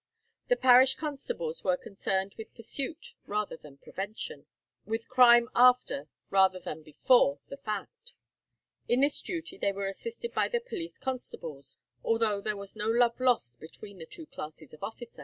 The parish constables were concerned with pursuit rather than prevention, with crime after rather than before the fact. In this duty they were assisted by the police constables, although there was no love lost between the two classes of officer.